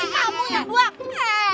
ini kamu yang buang